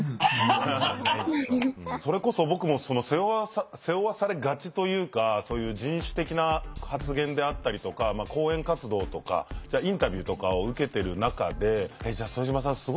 それこそ僕も背負わされがちというかそういう人種的な発言であったりとか講演活動とかインタビューとかを受けてる中で「じゃあ副島さん